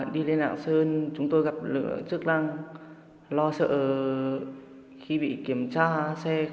đi lên lạng sơn chúng tôi gặp lượng chức năng lo sợ khi bị kiểm tra xe